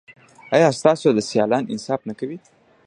ایا ستاسو سیالان انصاف نه کوي؟